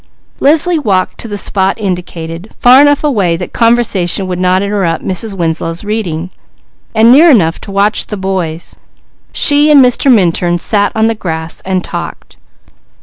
Leslie walked to the spot indicated, far enough away that conversation would not interrupt Mrs. Winslow's reading, and near enough to watch the boys; she and Mr. Minturn sat on the grass and talked.